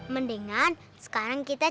mendingan sekarang kita berdua